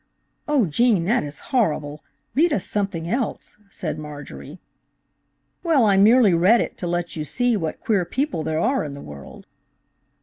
"Oh Gene, that is horrible; read us something else," said Marjorie. "Well, I merely read it to let you see what queer people there are in the world."